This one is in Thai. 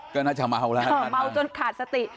ก็น่าจะเมาแล้วเมาจนขาดสติ